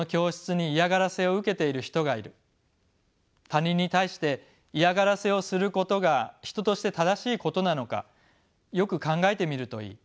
他人に対して嫌がらせをすることが人として正しいことなのかよく考えてみるといい」。